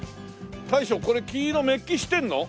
大将これ金色メッキしてるの？